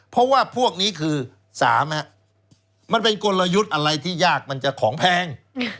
เพราะว่าพวกนี้คือ๓มันเป็นกลยุทธ์อะไรที่ยากมันจะของแพง